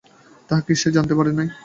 তাহা সে জানিতে পারে নাই।